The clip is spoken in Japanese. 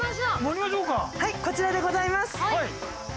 はいこちらでございます。